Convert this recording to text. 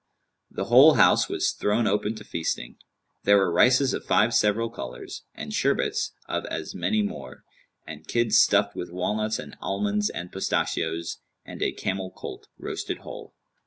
The whole house was thrown open to feasting: there were rices of five several colours, and sherbets of as many more; and kids stuffed with walnuts and almonds and pistachios and a camel colt[FN#192] roasted whole.